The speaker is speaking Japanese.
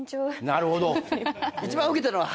なるほど。